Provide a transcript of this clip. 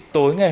thưa quý vị